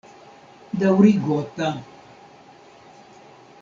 Daŭrigota.